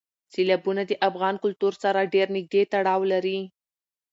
سیلابونه د افغان کلتور سره ډېر نږدې تړاو لري.